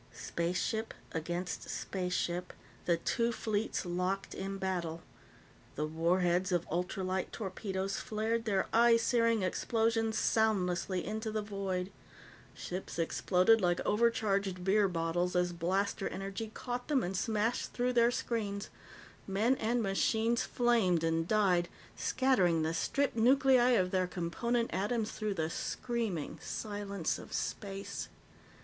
Spaceship against spaceship, the two fleets locked in battle. The warheads of ultralight torpedoes flared their eye searing explosions soundlessly into the void; ships exploded like overcharged beer bottles as blaster energy caught them and smashed through their screens; men and machines flamed and died, scattering the stripped nuclei of their component atoms through the screaming silence of space.